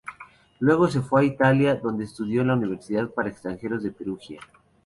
Luego se fue a Italia donde estudió en la Universidad para extranjeros de Perugia.